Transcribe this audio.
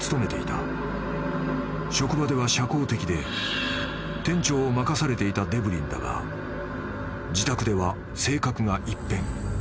［職場では社交的で店長を任されていたデブリンだが自宅では性格が一変］